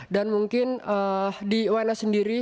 dan mungkin di uns sendiri